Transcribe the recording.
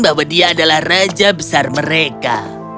bahwa dia adalah raja besar mereka